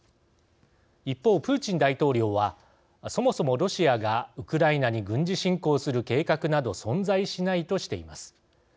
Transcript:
一方、プーチン大統領はそもそもロシアがウクライナに軍事侵攻する計画など存在しないとしています。